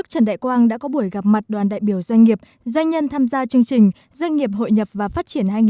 trần đại quang đã có buổi gặp mặt đoàn đại biểu doanh nghiệp doanh nhân tham gia chương trình doanh nghiệp hội nhập và phát triển hai nghìn hai mươi